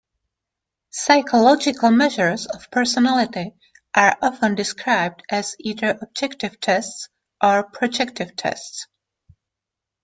Psychological measures of personality are often described as either objective tests or projective tests.